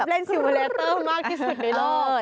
เล่นซิลเลเตอร์มากที่สุดในโลก